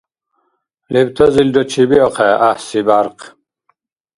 Лебтазилра чебиахъехӀе гӀяхӀси бяркъ.